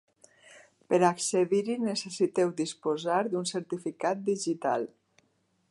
Per accedir-hi necessiteu disposar d'un certificat digital.